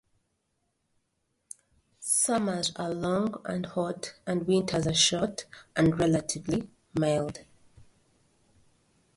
Summers are long and hot, and winters are short and relatively mild.